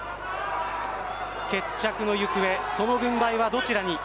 決着の行方、その軍配はどちらに。